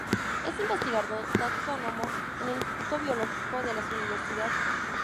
Es investigador taxónomo en el "Instituto Biológico" de la "Universidad Aarhus" de Copenhague.